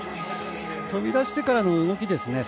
飛び出してからの動きです。